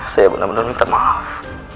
saya benar benar minta maaf